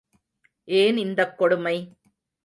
ஏன் இந்தக் கொடுமை?